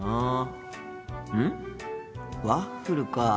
ワッフルか。